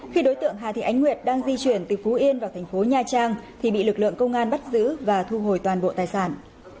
khi đối tượng hà thị ánh nguyệt đang di chuyển từ phú yên vào thành phố nha trang thì bị lực lượng công an bắt giữ và thu hồi toàn bộ tài sản